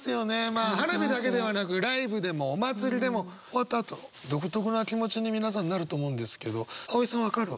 まあ花火だけではなくライブでもお祭りでも終わったあと独特な気持ちに皆さんなると思うんですけど葵さん分かる？